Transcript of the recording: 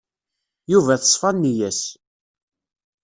Yuba teṣfa nneyya-s.